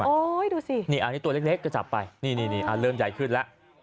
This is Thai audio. อันนี้ตัวเล็กก็จับไปเริ่มใหญ่ขึ้นแล้ว